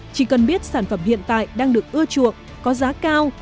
chỉ cần biết sản phẩm hiện tại đang được ưa chuộng có giá cao